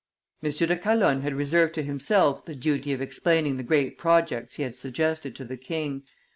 M. de Calonne had reserved to himself the duty of explaining the great projects he had suggested to the king.